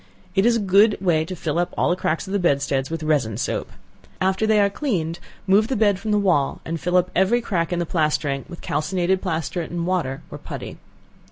It is a good way to fill up all the cracks of the bedsteads with resin soap. After they are cleaned, move the bed from the wall and fill up every crack in the plastering with calcined plaster and water, or putty.